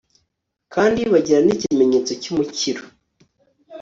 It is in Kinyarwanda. kandi bagira n'ikimenyetso cy'umukiro